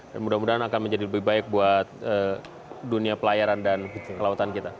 dan mudah mudahan akan menjadi lebih baik buat dunia pelayaran dan kelautan kita